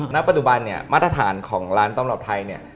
ณปัจจุบันนี้มัตต์ฐานของร้านต้อมรับไทย